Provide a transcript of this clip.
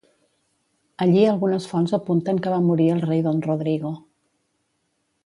Allí algunes fonts apunten que va morir el rei Don Rodrigo.